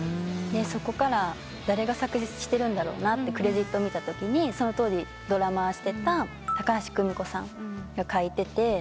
そこから誰が作詞してるんだろうなとクレジット見たときにその当時ドラマーしてた高橋久美子さんが書いてて。